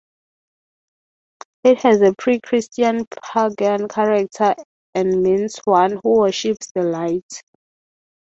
It has a Pre-Christian pagan character and means "one who worships the light".